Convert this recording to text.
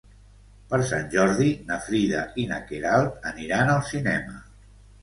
Per Sant Jordi na Frida i na Queralt aniran al cinema.